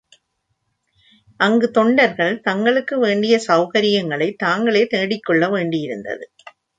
அங்கு தொண்டர்கள் தங்களுக்கு வேண்டிய செளகரியங்களைத தாங்களே தேடிக்கொள்ள வேண்டியிருந்தது.